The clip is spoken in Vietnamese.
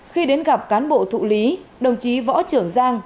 khi đến gặp cán bộ thụ lý đồng chí võ trưởng giang